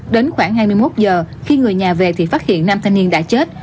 đến khoảng hai mươi một h khi người nhà về thì phát hiện nam thanh niên đã chết